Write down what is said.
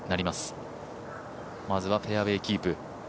まずはフェアウエーキープ。